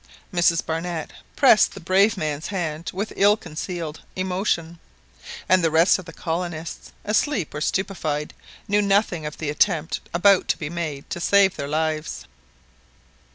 Mrs Barnett pressed the brave man's hand with ill concealed emotion; and the rest of the colonists, asleep or stupefied, knew nothing of the attempt about to be made to save their lives.